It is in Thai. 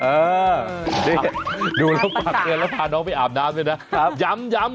เออนี่ดูแล้วฝากเตือนแล้วพาน้องไปอาบน้ำด้วยนะย้ำ